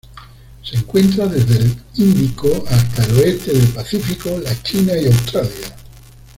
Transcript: Se encuentra desde el Índico hasta el oeste del Pacífico, la China y Australia.